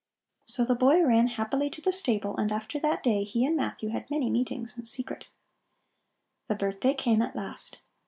So the boy ran happily to the stable, and after that day he and Matthew had many meetings in secret. The birthday came at last.